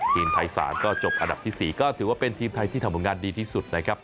ทีมไทย๓ก็จบอันดับที่๔ก็ถือว่าเป็นทีมไทยที่ทำผลงานดีที่สุดนะครับ